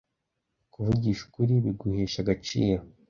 Kuvugisha ukuri biguhesha agaciro